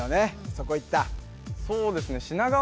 そこいった？